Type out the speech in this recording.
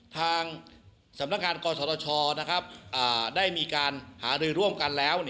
ทางสำนักงานกศชได้มีการหารือร่วมกันแล้ว